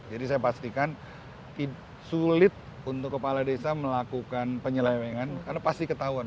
jadi saya pastikan sulit untuk kepala desa melakukan penyelewengan karena pasti ketahuan